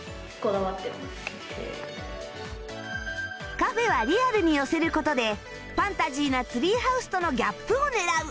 カフェはリアルに寄せる事でファンタジーなツリーハウスとのギャップを狙う